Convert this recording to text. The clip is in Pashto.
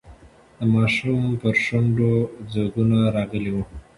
د ماشوم پر شونډو ځگونه راغلي وو.